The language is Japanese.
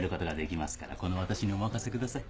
この私にお任せください。